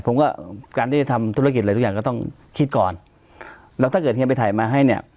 ผมก็การที่จะทำธุรกิจอะไรทุกอย่างก็ต้องคิดก่อนแล้วถ้าเกิดเฮียไปถ่ายมาให้เนี่ย